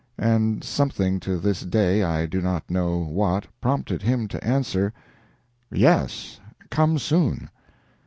And something to this day I do not know what prompted him to answer: "Yes, come soon."